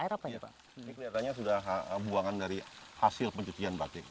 ini kelihatannya sudah buangan dari hasil pencucian batik